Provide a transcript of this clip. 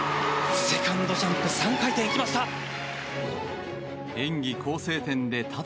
セカンドジャンプ３回転、行きました。